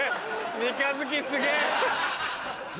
三日月すげぇ！